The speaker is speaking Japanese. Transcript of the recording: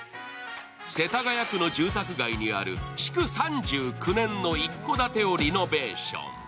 世田谷区の住宅街にある築３９年の一戸建てをリノベーション。